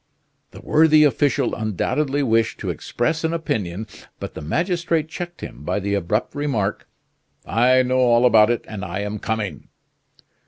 The worthy official undoubtedly wished to express an opinion, but the magistrate checked him by the abrupt remark, "I know all about it, and I am coming."